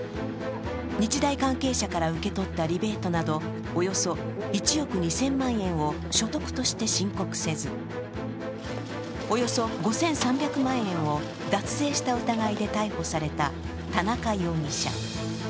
日大関係者から受け取ったリベートなどおよそ１億２０００万円を所得として申告せず、およそ５３００万円を脱税した疑いで逮捕された田中容疑者。